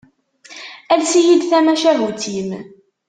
Ales-iyi-d tamacahut-im.